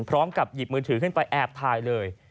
พร้อมกับหยิบมือถือขึ้นไปแอบถ่ายเลย